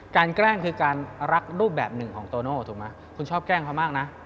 ครั้งแกล้งคือการรักรูปแบบหนึ่งของตัวโน่ถูกมะคุณชอบแกล้งเขามากเน้